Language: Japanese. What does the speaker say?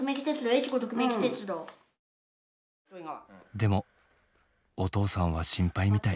でもお父さんは心配みたい。